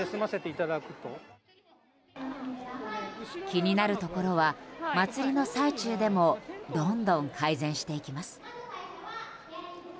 気になるところはまつりの最中でもどんどん改善していきます。